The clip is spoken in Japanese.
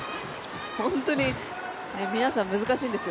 本当に皆さん、難しいんですよ。